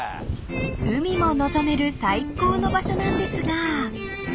［海も望める最高の場所なんですが］